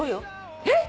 えっ！